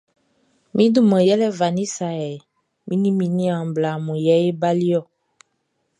Mi duman yɛlɛ Vanessa hɛ, mi ni mi niaan bla mun yɛ e baliɔ.